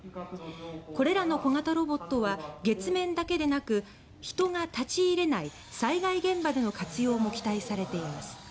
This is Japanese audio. これらの小型ロボットは月面だけでなく人が立ち入れない災害現場での活用も期待されています。